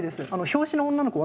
表紙の女の子